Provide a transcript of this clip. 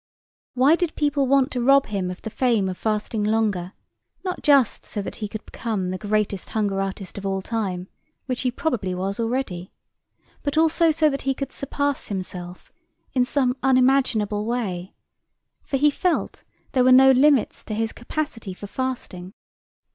Why did people want to rob him of the fame of fasting longer, not just so that he could become the greatest hunger artist of all time, which he probably was already, but also so that he could surpass himself in some unimaginable way, for he felt there were no limits to his capacity for fasting.